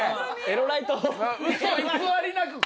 エロライト！